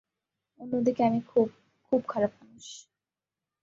অন্যদিকে, আমি খুব, খুব খারাপ মানুষ।